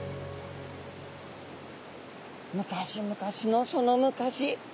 昔昔のその昔。